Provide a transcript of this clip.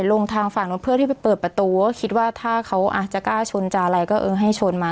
ลงทางฝั่งนู้นเพื่อที่ไปเปิดประตูก็คิดว่าถ้าเขาอาจจะกล้าชนจะอะไรก็เออให้ชนมา